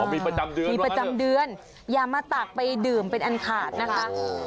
มีประจำเดือนมีประจำเดือนอย่ามาตักไปดื่มเป็นอันขาดนะคะ